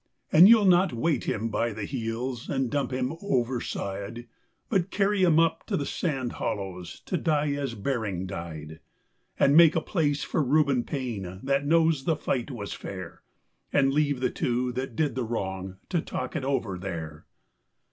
And you'll not weight him by the heels and dump him overside, But carry him up to the sand hollows to die as Bering died, And make a place for Reuben Paine that knows the fight was fair, And leave the two that did the wrong to talk it over there!"